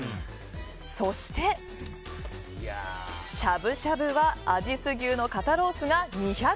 そして、しゃぶしゃぶは阿知須牛の肩ロースが２００ｇ。